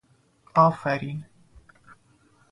آفرین